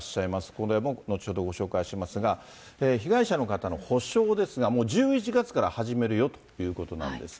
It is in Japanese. これもご紹介しますが、被害者の方の補償ですが、もう１１月から始めるよということなんですね。